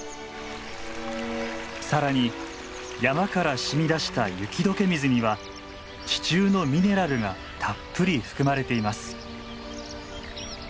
更に山から染み出した雪解け水には地中のミネラルがたっぷり含まれています。